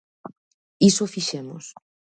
Iso fixemos.